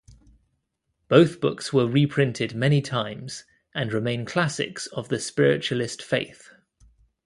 Both books were reprinted many times and remain classics of the Spiritualist faith.